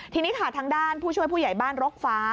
ทีนี้ค่ะทางด้านผู้ช่วยผู้ใหญ่บ้านรกฟ้า